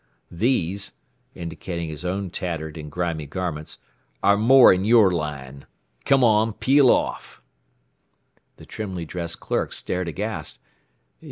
These," indicating his own tattered and grimy garments, "are more in your line. Come on! Peel off!" The trimly dressed clerk stared aghast.